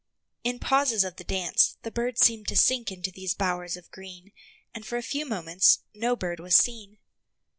In pauses of the dance the birds seemed to sink into these bowers of green, and for a few moments no bird was seen.